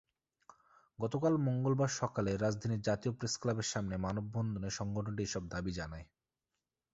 গতকাল মঙ্গলবার সকালে রাজধানীর জাতীয় প্রেসক্লাবের সামনে মানববন্ধনে সংগঠনটি এসব দাবি জানায়।